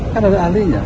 kan ada ahlinya